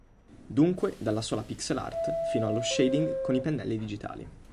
Dunque, dalla sola pixel art fino allo shading con i pennelli digitali.